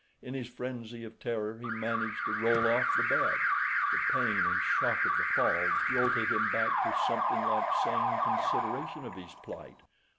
In his frenzy of terror he managed to roll off the bed. The pain and shock of the fall jolted him back to something like sane consideration of his plight.